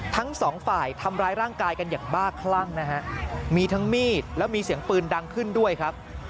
ทั้งสองฝ่ายทำร้ายร่างกายกันอย่างบ้าคลั่งนะฮะมีทั้งมีดแล้วมีเสียงปืนดังขึ้นด้วยครับ